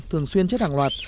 thường xuyên chết hàng loạt